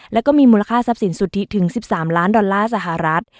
แล้วก็มีมูลค่าทรัพย์สินสุทธิถึง๑๓ล้านดอลลาร์สหรัฐ